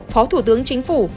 phó thủ tướng chính phủ